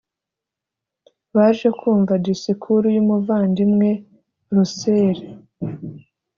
baje kumva disikuru y umuvandimwe russell